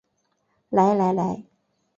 来来来